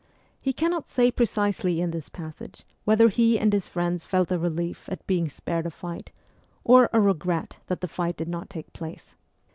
He cannot say precisely in this passage whether he and his friends felt a relief at being spared a fight, or a regret that the fight did not take place.